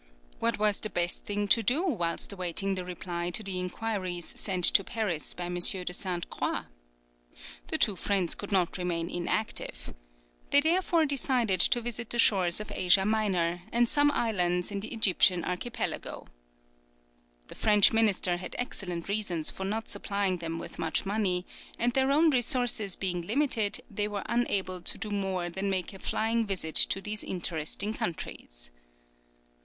What was the best thing to do whilst awaiting the reply to the inquiries sent to Paris by M. de Sainte Croix? The two friends could not remain inactive. They therefore decided to visit the shores of Asia Minor, and some islands in the Egyptian Archipelago. The French minister had excellent reasons for not supplying them with much money, and their own resources being limited, they were unable to do more than make a flying visit to these interesting countries.